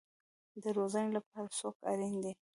د روزنې لپاره څوک اړین دی؟